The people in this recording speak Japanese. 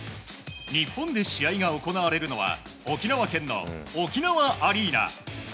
日本で試合が行われるのは沖縄県の沖縄アリーナ。